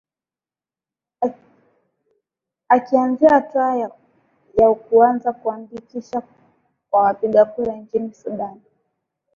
akiangazia hatua ya kuanza kuandikisha kwa wapiga kura nchini sudan